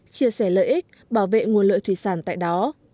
chia sẻ lợi ích bảo vệ nguồn lợi thủy sản tại đó